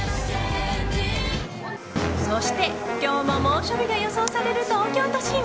そして、今日も猛暑日が予想される東京都心。